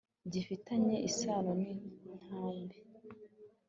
gifitanye isano n'intambi